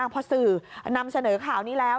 พอสื่อนำเสนอข่าวนี้แล้ว